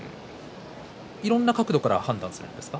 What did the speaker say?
いろんな角度から判断するんですか？